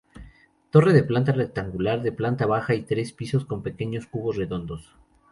Torre de planta rectangular de planta baja y tres pisos con pequeños cubos redondos.